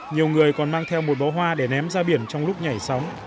nhiều người còn mang theo một bó hoa để ném ra biển trong lúc nhảy sóng